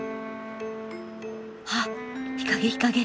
はっ日陰日陰！